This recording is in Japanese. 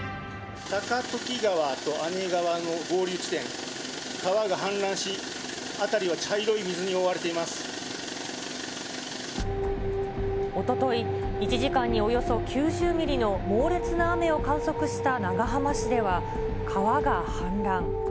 高時川と姉川の合流地点、川が氾濫し、辺りは茶色い水に覆おととい、１時間におよそ９０ミリの猛烈な雨を観測した長浜市では川が氾濫。